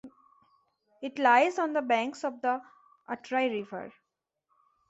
It lies on the banks of the Atrai River.